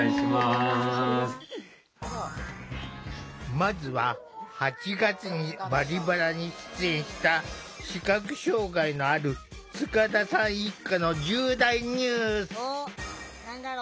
まずは８月に「バリバラ」に出演した視覚障害のある塚田さん一家の重大ニュース。